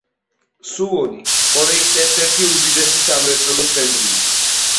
სუვონი კორეის ერთ-ერთი უდიდესი სამრეწველო ცენტრია.